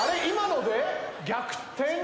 今ので逆転？